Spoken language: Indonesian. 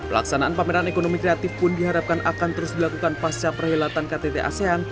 pelaksanaan pameran ekonomi kreatif pun diharapkan akan terus dilakukan pasca perhelatan ktt asean